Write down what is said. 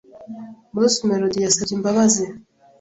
Bruce Melodie yasabye imbabazi,